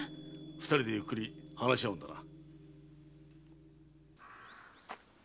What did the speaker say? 二人でゆっくり話し合うんだな。